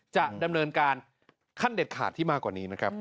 จะดำเนินการขั้นเด็ดขาดที่มากกว่านี้นะครับ